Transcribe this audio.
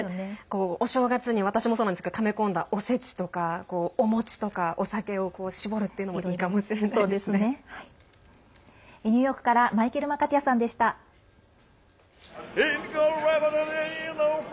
お正月に私もそうなんですけどため込んだ、おせちとかお餅とかお酒を絞るっていうのもいいかもしれないですね。